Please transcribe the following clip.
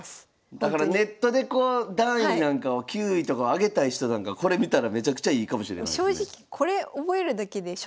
だからネットでこう段位なんかを級位とか上げたい人なんかこれ見たらめちゃくちゃいいかもしれないですね。